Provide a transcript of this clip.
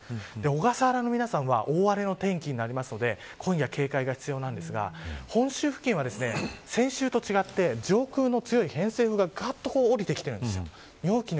小笠原の皆さんは大荒れの天気になるので今夜警戒が必要なんですが本州付近は先週と違って上空の強い偏西風ががっと降りてきてるんです。